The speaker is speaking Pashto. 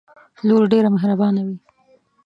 لور ډیره محربانه وی